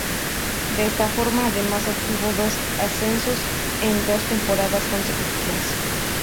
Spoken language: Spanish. De esta forma, además, obtuvo dos ascensos en dos temporadas consecutivas.